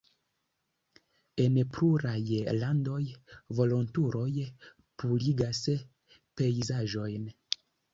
En pluraj landoj volontuloj purigas pejzaĝojn.